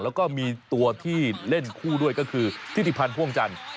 แล้วก็มีตัวที่เล่นคู่ด้วยก็คือทิติพันธ์พ่วงจันทร์